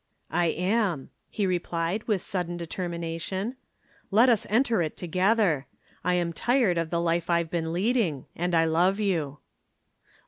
"I am," he replied with sudden determination. "Let us enter it together. I am tired of the life I've been leading, and I love you."